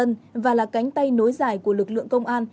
ở gần dân sát dân và là cánh tay nối dài của lực lượng công an